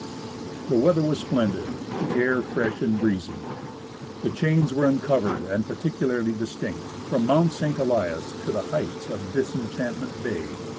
The weather was splendid, the air fresh and breezy. The chains were uncovered and particularly distinct, from Mount St. Elias to the heights of Disenchantment Bay.